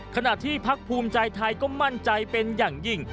ขณะที่พักภูมิใจไทยก็มั่นใจเป็นอย่างยิ่ง